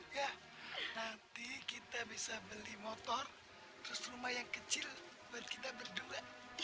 ya nanti kita bisa beli motor terus rumah yang kecil buat kita berdua